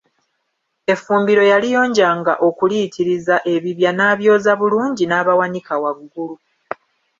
Effumbiro yaliyonjanga okuliyitiriza, ebibya n'abyoza bulungi n'abawanika waggulu.